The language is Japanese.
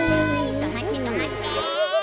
とまってとまって！